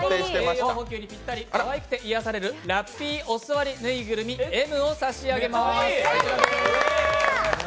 心の栄養補給にぴったり、かわいくて癒やされるラッピーお座りぬいぐるみＭを差し上げます。